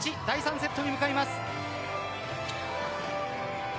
第３セットに向かいます。